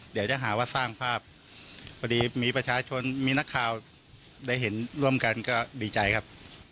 เดี๋ยวจะหาว่าสร้างภาพพอดีมีประชาชนมีนักข่าวได้เห็นร่วมกันก็ดีใจครับ